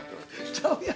ちゃうやん。